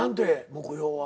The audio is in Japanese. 目標は。